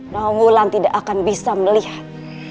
nawulan tidak akan bisa melihat